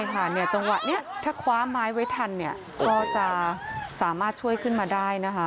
ใช่จังหวะถ้ากันไว้ทันก็จะสามารถช่วยมาได้